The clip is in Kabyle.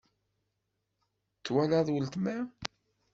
Twalaḍ weltma?